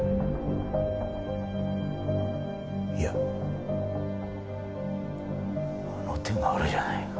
いやあの手があるじゃないか。